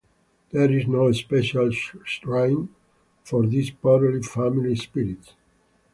There is no special shrine for these purely family spirits.